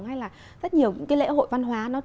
hay là rất nhiều những cái lễ hội văn hóa nó